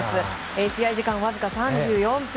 試合時間わずか３４分。